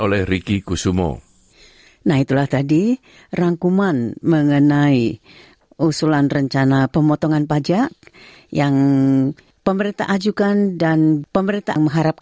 pemerintahan biaya hidup karena anggaran tersebut yang diperlukan dari pemerintah federal